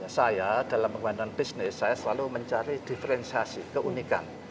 saya dalam pembangunan bisnis saya selalu mencari diferensiasi keunikan